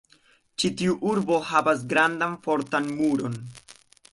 Ĉi tiu urbo havas grandan fortan muron.